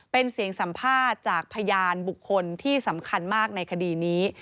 เป็นเสียงสัมภาษณ์จากพยานบุคคลที่สำคัญมากในคดีนี้